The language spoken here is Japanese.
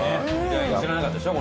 知らなかったでしょ？